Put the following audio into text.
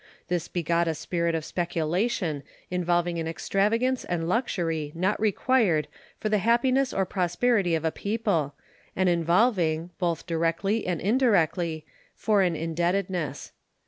This begot a spirit of speculation involving an extravagance and luxury not required for the happiness or prosperity of a people, and involving, both directly and indirectly, foreign indebtedness.